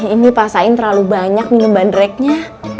ini paksain terlalu banyak minum bandreknya